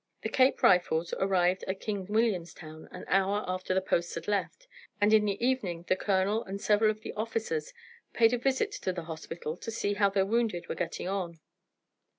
The Cape Rifles arrived at King Williamstown an hour after the post had left, and in the evening the colonel and several of the officers paid a visit to the hospital to see how their wounded were getting on.